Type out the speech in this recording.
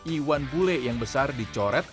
iwan bule yang besar dicoret